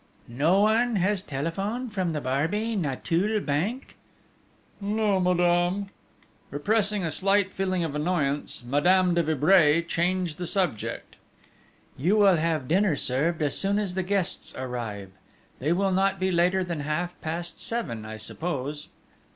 "No one has telephoned from the Barbey Nanteuil Bank?" "No, madame." Repressing a slight feeling of annoyance, Madame de Vibray changed the subject: "You will have dinner served as soon as the guests arrive. They will not be later than half past seven, I suppose."